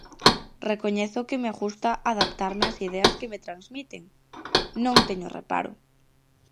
Recoñezo que me gusta adaptarme ás ideas que me transmiten, non teño reparo.